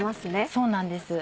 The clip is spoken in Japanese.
そうなんです。